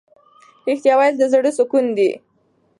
ریښتیا ویل د زړه سکون دی.